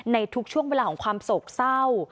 ในทุกช่วงเวลาของความโศกเศร้า